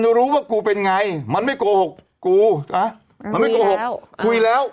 มารู้ว่ากูเป็นไงมันไม่โกหกกับกูครับเครื่องคุยแล้ว